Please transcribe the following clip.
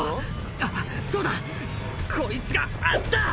「あっそうだこいつがあった！」